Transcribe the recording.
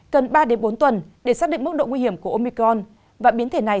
cần ba bốn tuần để xác định mức độ nguy hiểm của omicron và biến thể này